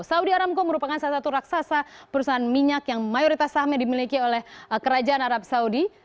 saudi aramco merupakan salah satu raksasa perusahaan minyak yang mayoritas sahamnya dimiliki oleh kerajaan arab saudi